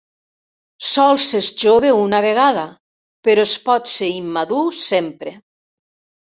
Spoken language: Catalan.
Sols s'és jove una vegada, però es pot ser immadur sempre.